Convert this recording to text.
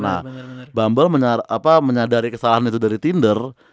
nah bumble menyadari kesalahan itu dari tinder